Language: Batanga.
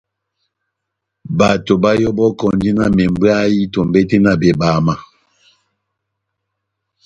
Bato bayɔbɔkɔndi na membwayï tombete na bebama.